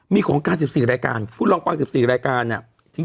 มีของการ๑๔รายการคุณลองฟัง๑๔รายการเนี่ย